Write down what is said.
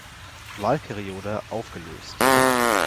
Wahlperiode aufgelöst.